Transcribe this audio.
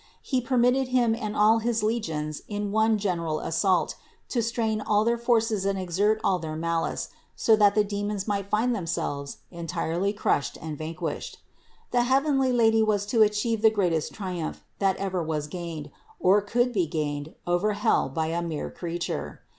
He permitted him and all his legions in one general assault to strain all their forces and exert all their malice, so that the demons might find themselves entirely crushed and vanquished. The heavenly Lady was to achieve the greatest triumph that ever was gained, or could be gained, over hell by a mere creature.